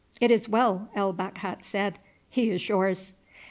"It is well," El Bakhat said; "he is yours."